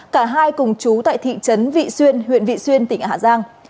cả hai cùng chú tại thị trấn vị xuyên huyện vị xuyên tỉnh hà giang